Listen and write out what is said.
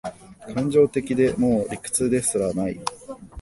感情的で、もう理屈ですらない